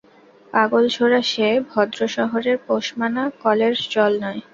পাগলাঝোরা সে, ভদ্রশহরের পোষ-মানা কলের জল নয়।